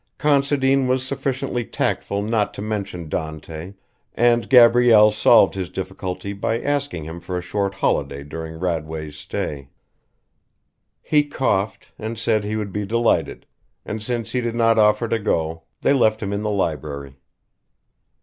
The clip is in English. Considine was sufficiently tactful not to mention Dante, and Gabrielle solved his difficulty by asking him for a short holiday during Radway's stay. He coughed and said he would be delighted, and since he did not offer to go they left him in the library.